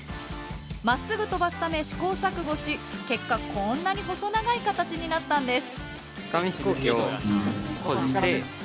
まっすぐ飛ばすため試行錯誤し結果こんなに細長い形になったんです。